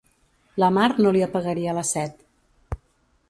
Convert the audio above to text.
La mar no li apagaria la set.